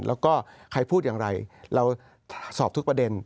แล้วก็ใครพูดอย่างไรเราสอบทุกประเด็น